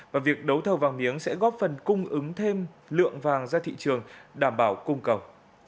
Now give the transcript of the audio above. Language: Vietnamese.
và việc đấu thầu vàng miếng sẽ góp phần cung ứng thêm lượng vàng ra thị trường đảm bảo cung cầu